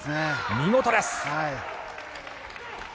見事です。